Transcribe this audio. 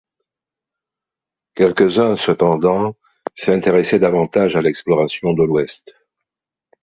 Quelques-uns, cependant, s'intéressaient davantage à l'exploration de l'Ouest.